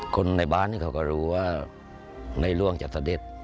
คนในบ้านเขาก็รู้ว่าในร่วงจะเสด็จ